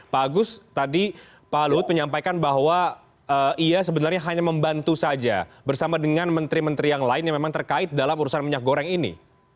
pak agus tadi pak luhut menyampaikan bahwa ia sebenarnya hanya membantu saja bersama dengan menteri menteri yang lain yang memang terkait dalam urusan minyak goreng ini